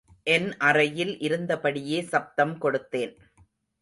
என் அறையில் இருந்தபடியே சப்தம் கொடுத்தேன்.